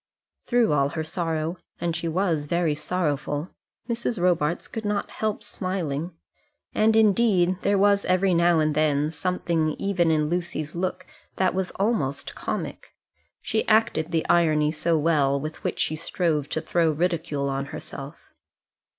Through all her sorrow, and she was very sorrowful, Mrs. Robarts could not help smiling. And, indeed, there was every now and then something even in Lucy's look that was almost comic. She acted the irony so well with which she strove to throw ridicule on herself!